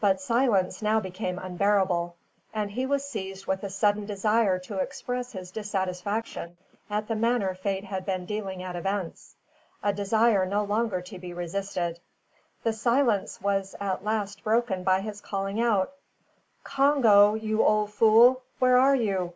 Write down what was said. But silence now became unbearable, and he was seized with a sudden desire to express his dissatisfaction at the manner Fate had been dealing out events, a desire no longer to be resisted. The silence was at last broken by his calling out "Congo, you ole fool, where are you?